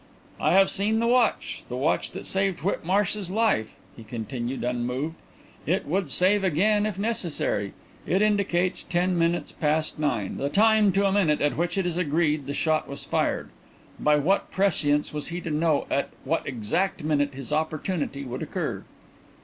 "I have seen the watch the watch that saved Whitmarsh's life," he continued, unmoved. "It would save it again if necessary. It indicates ten minutes past nine the time to a minute at which it is agreed the shot was fired. By what prescience was he to know at what exact minute his opportunity would occur?"